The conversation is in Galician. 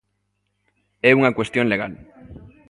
É unha cuestión legal.